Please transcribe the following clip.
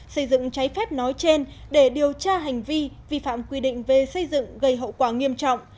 xây dựng cháy phép nói trên để điều tra hành vi vi phạm quy định về xây dựng gây hậu quả nghiêm trọng